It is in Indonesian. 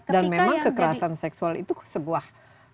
dan memang kekerasan seksual itu sebuah